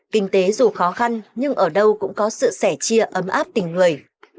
kinh tế dù khó khăn nhưng ở đâu cũng có sự sẻ chia ấm áp tình người